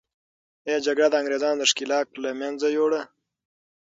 آیا جګړه د انګریزانو دښکیلاک له منځه یوړه؟